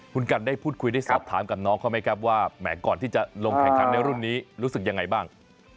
คุณกันได้พูดคุยได้สอบถามกับน้องเขาไหมครับว่าแหมก่อนที่จะลงแข่งขันในรุ่นนี้รู้สึกยังไงบ้าง